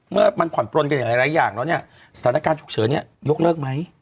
เมื่อมันผ่อนปลนกันอย่างหลายอย่างแล้วเนี่ยสถานการณ์ฉุกเฉินเนี่ยยกเลิกไหม